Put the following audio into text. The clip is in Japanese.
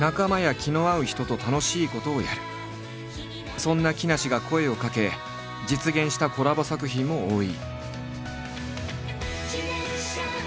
そんな木梨が声をかけ実現したコラボ作品も多い。